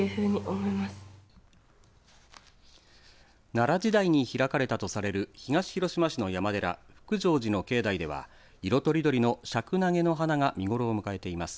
奈良時代に開かれたとされる東広島市の山寺福成寺の境内では色とりどりのシャクナゲの花が見頃を迎えています。